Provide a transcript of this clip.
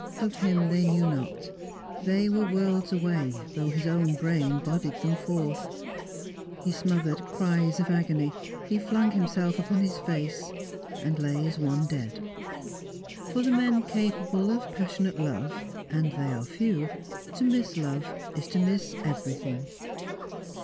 Of him they knew not; they were worlds away, though his own brain bodied them forth. He smothered cries of agony; he flung himself upon his face, and lay as one dead. For the men capable of passionate love (and they are few) to miss love is to miss everything.